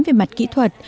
về mặt kỹ thuật